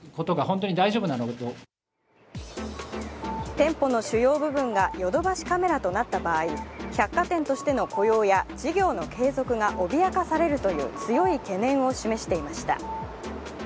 店舗の主要部分がヨドバシカメラとなった場合、百貨店としての雇用や事業の継続が脅かされるという強い懸念を示していました。